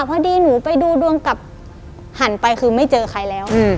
พอดีหนูไปดูดวงกับหันไปคือไม่เจอใครแล้ว